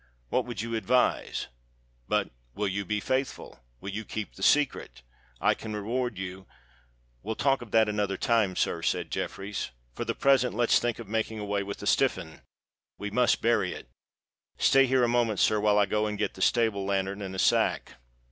What would you advise? But will you be faithful? Will you keep the secret? I can reward you——" "We'll talk of that another time, sir," said Jeffreys; "for the present let's think of making away with the stiff'un. We must bury it. Stay here a moment, sir, while I go and get the stable lanthorn and a sack."